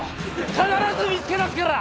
必ず見つけ出すから！